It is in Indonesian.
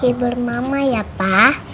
hibur mama ya pak